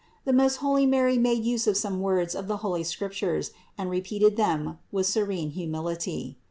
The most holy Mary made use of some words of the holy Scriptures and repeated them with serene humility.